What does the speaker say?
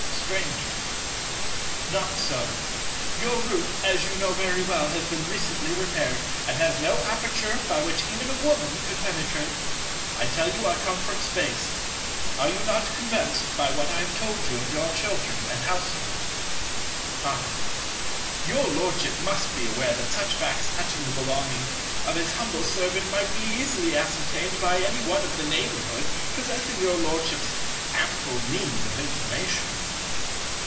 Stranger. Not so. Your roof, as you know very well, has been recently repaired, and has no aperture by which even a Woman could penetrate. I tell you I come from Space. Are you not convinced by what I have told you of your children and household? I. Your Lordship must be aware that such facts touching the belongings of his humble servant might be easily ascertained by any one of the neighbourhood possessing your Lordship's ample means of information.